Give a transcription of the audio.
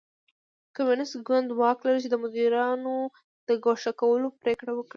کمونېست ګوند واک لري چې د مدیرانو د ګوښه کولو پرېکړه وکړي.